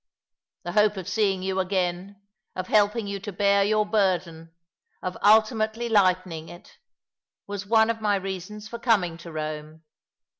The hope of seeing you again, of helping you to bear your burden, of ultimately lightening it, was one of my reasons for coming to Eome.